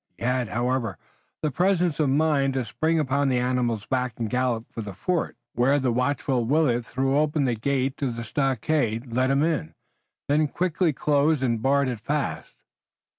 He had, however, the presence of mind to spring upon the animal's back and gallop for Fort Refuge, where the watchful Willet threw open the gate to the stockade, let him in, then quickly closed and barred it fast.